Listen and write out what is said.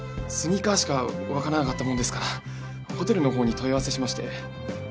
スニーカーしか分からなかったもんですからホテルの方に問い合わせしまして。